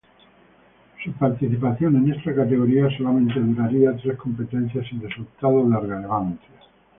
Su participación en esta categoría, solamente duraría tres competencias sin resultados de relevancia.